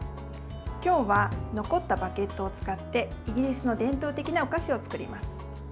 今日は残ったバゲットを使ってイギリスの伝統的なお菓子を作ります。